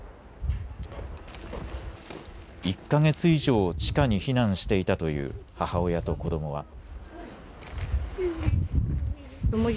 １か月以上、地下に避難をしていたという母親と子どもは。